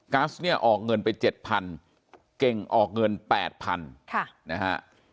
ัสเนี่ยออกเงินไป๗๐๐เก่งออกเงิน๘๐๐๐นะฮะ